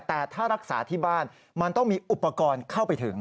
แต่ถ้ารักษาที่บ้านมันต้องมีอุปกรณ์เข้าไปถึง